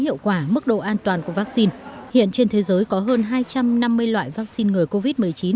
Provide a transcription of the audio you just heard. hiệu quả mức độ an toàn của vaccine hiện trên thế giới có hơn hai trăm năm mươi loại vaccine ngừa covid một mươi chín